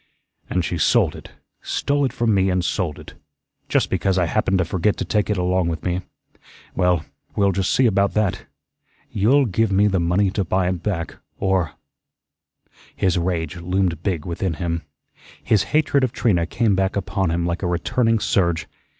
"And she sold it stole it from me and sold it. Just because I happened to forget to take it along with me. Well, we'll just see about that. You'll give me the money to buy it back, or " His rage loomed big within him. His hatred of Trina came back upon him like a returning surge.